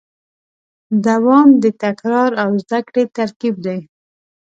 دوام د تکرار او زدهکړې ترکیب دی.